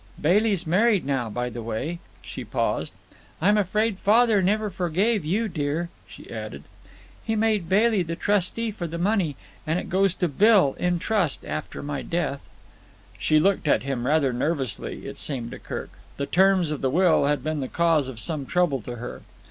Bailey's married now, by the way." She paused. "I'm afraid father never forgave you, dear," she added. "He made Bailey the trustee for the money, and it goes to Bill in trust after my death." She looked at him rather nervously it seemed to Kirk. The terms of the will had been the cause of some trouble to her.